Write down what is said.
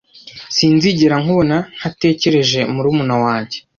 Sinzigera nkubona ntatekereje murumuna wanjye.